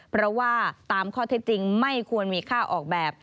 เพราะว่าตามข้อเท็จจริงไม่ควรมีค่าออกแบบ